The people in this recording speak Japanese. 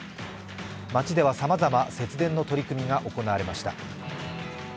街ではさまざま節電の取り組みが行われました。